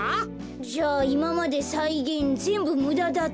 じゃあいままでさいげんぜんぶむだだってこと？